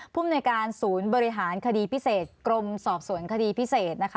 ภูมิในการศูนย์บริหารคดีพิเศษกรมสอบสวนคดีพิเศษนะคะ